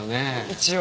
一応。